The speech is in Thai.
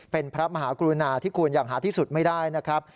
เป็นพระมหากรุณาที่คุณอย่างหาที่สุดไม่ได้นะครับ